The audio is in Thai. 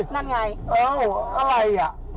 นั่นไงโอ้โฮอะไร